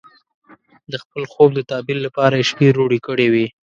د خپل خوب د تعبیر لپاره یې شپې روڼې کړې وې.